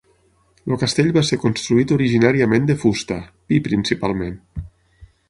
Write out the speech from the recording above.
El castell va ser construït originàriament de fusta, pi principalment.